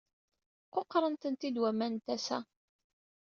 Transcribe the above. Quqṛen-tent-id waman n tasa.